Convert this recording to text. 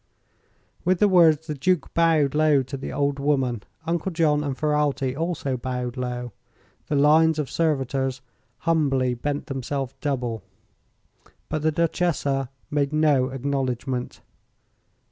With the words the Duke bowed low to the old woman. Uncle John and Ferralti also bowed low. The lines of servitors humbly bent themselves double. But the Duchessa made no acknowledgment.